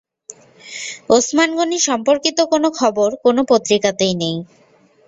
ওসমান গনি সম্পর্কিত কোনো খবর কোনো পত্রিকাতেই নেই।